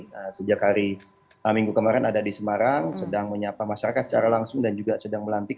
nah sejak hari minggu kemarin ada di semarang sedang menyapa masyarakat secara langsung dan juga sedang melantik